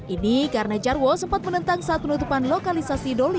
ini karena jarwo sempat menentang saat penutupan lokalisasi doli